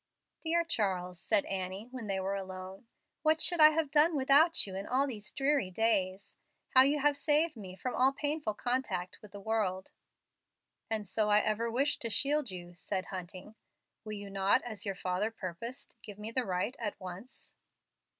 "Dear Charles," said Annie, when they were alone. "What should I have done without you in all these dreary days! How you have saved me from all painful contact with the world!" "And so I ever wish to shield you," said Hunting. "Will you not, as your father purposed, give me the right at once?"